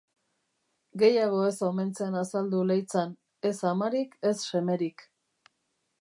Gehiago ez omen zen azaldu Leitzan, ez amarik ez semerik.